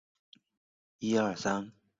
被衣山蛭为石蛭科石蛭属的动物。